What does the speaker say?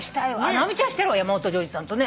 直美ちゃんしてるわ山本譲二さんとね。